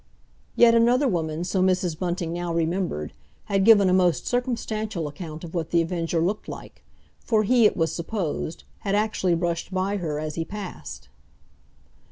Yet another woman, so Mrs. Bunting now remembered, had given a most circumstantial account of what The Avenger looked like, for he, it was supposed, had actually brushed by her as he passed.